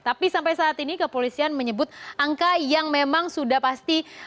tapi sampai saat ini kepolisian menyebut angka yang memang sudah pasti